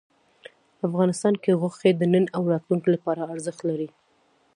افغانستان کې غوښې د نن او راتلونکي لپاره ارزښت لري.